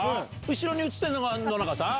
後ろに写ってるのが野中さん